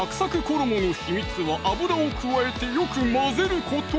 衣の秘密は油を加えてよく混ぜること！